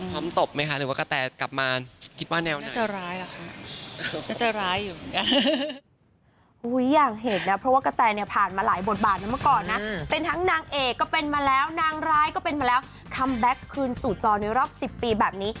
ตบไหมคะหรือว่ากะแตกลับมาคิดว่าแนวหน้า